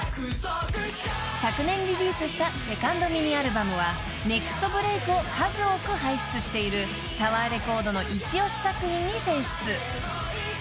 ［昨年リリースしたセカンドミニアルバムはネクストブレークを数多く輩出しているタワーレコードの一押し作品に選出］